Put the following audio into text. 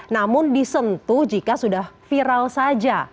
namun disentuh jika sudah viral saja